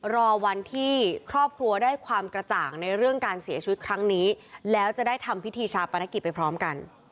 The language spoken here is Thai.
รอวันที่ครอบครัวได้ความกระจ่างในเรื่องการเสียชีวิตครั้งนี้แล้วจะได้ทำพิธีชาปนกิจไปพร้อมกัน